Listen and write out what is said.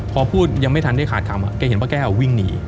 พอพูดยังไม่ทันได้ขาดคำแกเห็นป้าแก้ววิ่งหนี